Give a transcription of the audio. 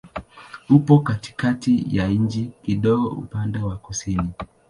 Upo katikati ya nchi, kidogo upande wa kusini.